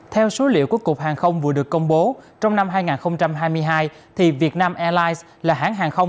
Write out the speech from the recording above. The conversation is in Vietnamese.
theo số liệu của cục hàng không vừa được công bố trong năm hai nghìn hai mươi hai việt nam airlines là hãng hàng không